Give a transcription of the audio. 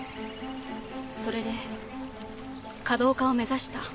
それで華道家を目指した。